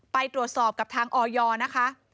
ไปตรวจสอบกับทางออยนะคะ